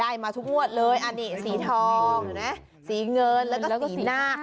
ได้มาทุกงวดเลยสีทองสีเงินและสีหน้า